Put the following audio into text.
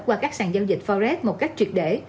qua các sàn giao dịch forex một cách triệt để